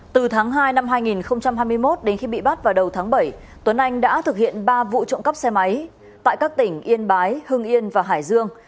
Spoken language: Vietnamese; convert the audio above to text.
từ tháng hai năm hai nghìn hai mươi một đến khi bị bắt vào đầu tháng bảy tuấn anh đã thực hiện ba vụ trộm cắp xe máy tại các tỉnh yên bái hưng yên và hải dương